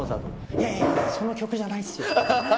いやいやいや、その曲じゃないっすよ。